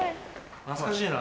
懐かしいな。